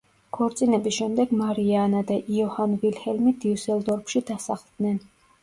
ქორწინების შემდეგ მარია ანა და იოჰან ვილჰელმი დიუსელდორფში დასახლდნენ.